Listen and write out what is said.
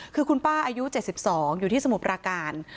คือคุณป้าอายุ๗๒อยู่ที่สมุทรปราการ